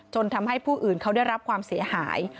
จนทำให้ผู้อื่นเขาได้รับความเสียหาย